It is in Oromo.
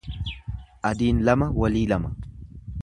Adiin lama walii lama.